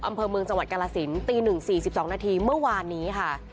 อำเภอเมืองจังหวัดกาลสินตี๑๔๒นาทีเมื่อวานนี้ค่ะ